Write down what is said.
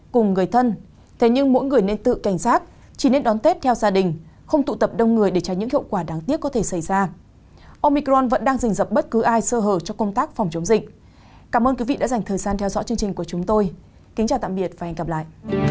kính chào tạm biệt và hẹn gặp lại